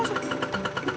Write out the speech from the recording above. gak usah gak usah